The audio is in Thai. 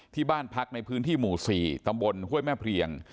ที่บ้านพักในพื้นที่หมู่๔ตำบลห้วยแม่เพลียง